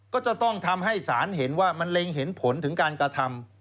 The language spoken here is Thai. ก็จะต้องทำให้ศาลเห็นว่ามันเล็งเห็นผลถึงการกระทำ